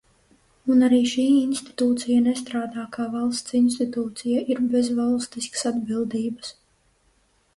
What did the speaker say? Un arī šī institūcija nestrādā kā valsts institūcija, ir bez valstiskas atbildības.